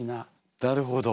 なるほど。